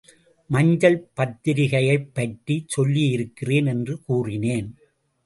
மஞ்சள் பத்திரிகைப் பற்றி சொல்லியிருக்கிறேன் என்று கூறினேன்.